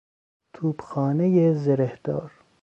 توپخانهی زرهدار